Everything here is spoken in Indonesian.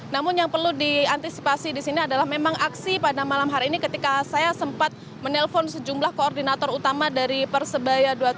namun yang perlu diantisipasi di sini adalah memang aksi pada malam hari ini ketika saya sempat menelpon sejumlah koordinator utama dari persebaya dua puluh tiga